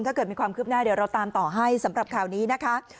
ถ้าเกิดมีความคืบหน้าเดี๋ยวเราตามต่อให้สำหรับข่าวนี้นะคะ